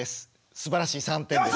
すばらしい３点です。